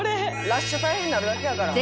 「ラッシュ大変になるだけやから」